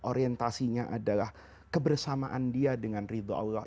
orientasinya adalah kebersamaan dia dengan ridho allah